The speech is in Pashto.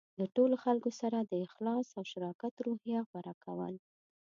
د ټولو خلکو سره د اخلاص او شراکت روحیه غوره کول.